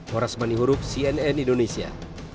horas manihurup cnn indonesia